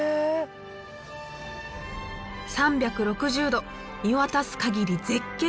３６０度見渡す限り絶景！